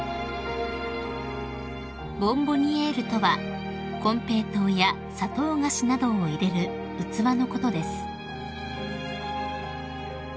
［ボンボニエールとはコンペイトーや砂糖菓子などを入れる器のことです］